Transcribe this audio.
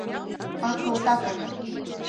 Акыл такыр!..